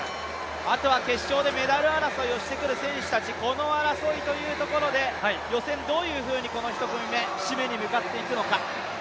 あとは決勝でメダル争いをしてくる選手たち、この争いをしてくるところで予選、どういうふうに１組目、締めに向かっていくのか。